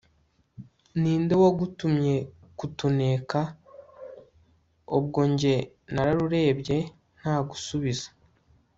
ninde wagutumye kutuneka!? ubwo njye nararurebye ntagusubiza